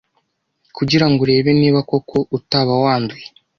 kugirango urebe niba koko utaba wanduye